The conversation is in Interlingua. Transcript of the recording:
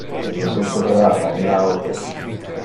Il me susurrava in le aures.